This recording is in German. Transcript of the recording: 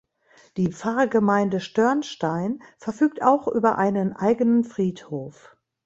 Die Pfarrgemeinde Störnstein verfügt auch über einen eigenen Friedhof.